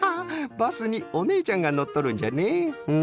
バスにおねえちゃんがのっとるんじゃね。